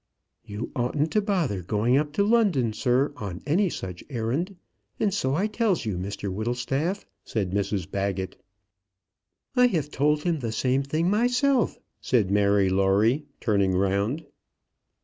"You oughtn't to bother going up to London, sir, on any such errand, and so I tells you, Mr Whittlestaff," said Mrs Baggett. "I have told him the same thing myself," said Mary Lawrie, turning round.